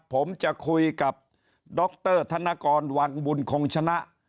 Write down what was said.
ผมจะคุยกับดรธนกรวังบุญคงชนะ